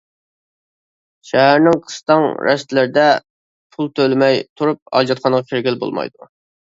شەھەرنىڭ قىستاڭ رەستىلىرىدە پۇل تۆلىمەي تۇرۇپ ھاجەتخانىغا كىرگىلى بولمايدۇ.